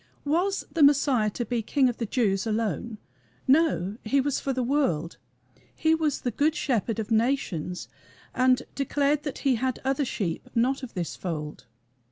Was the Messiah to be the King of the Jews alone? No; he was for the world; he was the Good Shepherd of nations, and declared that he had "other sheep, not of this fold."